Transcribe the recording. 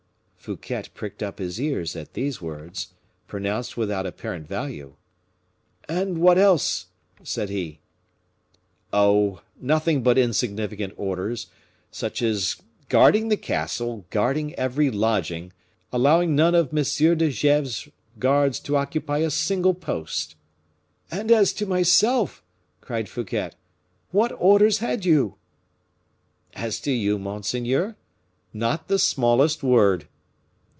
Fouquet pricked up his ears at these words, pronounced without apparent value. "And what else?" said he. "Oh! nothing but insignificant orders; such as guarding the castle, guarding every lodging, allowing none of M. de Gesvres's guards to occupy a single post." "And as to myself," cried Fouquet, "what orders had you?" "As to you, monseigneur? not the smallest word."